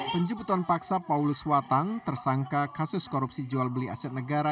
penjemputan paksa paulus watang tersangka kasus korupsi jual beli aset negara